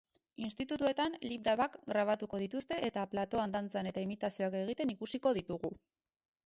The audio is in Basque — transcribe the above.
Institutuetan lip dub-ak grabatuko dituzte eta platoan dantzan eta imitazioak egiten ikusiko ditugu.